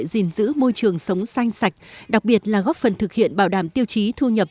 giữ môi trường sống xanh sạch đặc biệt là góp phần thực hiện bảo đảm tiêu chí thu nhập